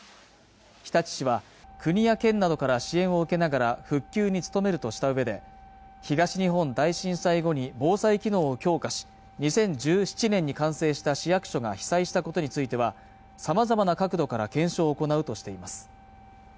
日立市は国や県などから支援を受けながら復旧に努めるとしたうえで東日本大震災後に防災機能を強化し２０１７年に完成した市役所が被災したことについてはさまざまな角度から検証を行うとしています